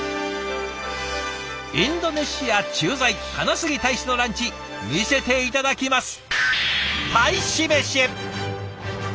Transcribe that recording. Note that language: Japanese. インドネシア駐在金杉大使のランチ見せて頂きます。